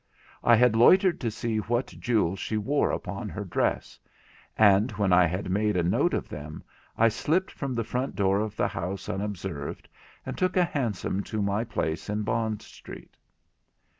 I had loitered to see what jewels she wore upon her dress; and when I had made a note of them, I slipped from the front door of the house unobserved, and took a hansom to my place in Bond Street.